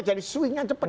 jadi swingnya cepat